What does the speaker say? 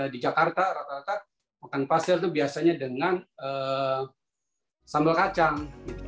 di jakarta rata rata makan pastel itu biasanya dengan sambal kacang